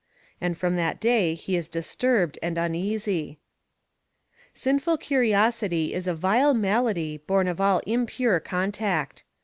And from that day he is disturbed and uneasy. Sinful curiosity is a vile malady born of all impure contact.